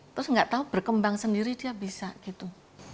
terus nggak tahu berkembang sendiri dia bisa gitu